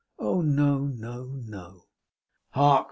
Oh, no, no!' 'Hark!